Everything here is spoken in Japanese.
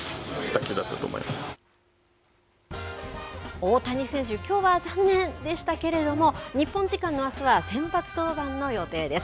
大谷選手、きょうは残念でしたけれども、日本時間のあすは先発登板の予定です。